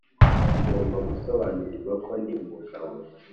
ugomba gusobanukirwa ko ndi umugabo